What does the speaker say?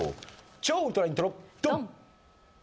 超ウルトライントロドン！